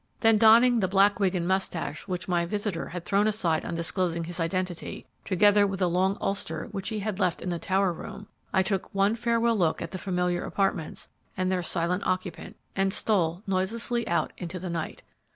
Then donning the black wig and mustache which my visitor had thrown aside on disclosing his identity, together with a long ulster which he had left in the tower room, I took one farewell look at the familiar apartments and their silent occupant and stole noiselessly out into the night.